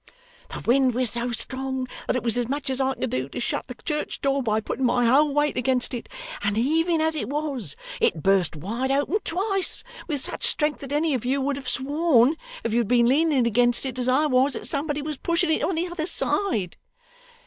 'The wind was so strong, that it was as much as I could do to shut the church door by putting my whole weight against it; and even as it was, it burst wide open twice, with such strength that any of you would have sworn, if you had been leaning against it, as I was, that somebody was pushing on the other side.